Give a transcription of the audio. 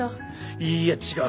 いいや違う。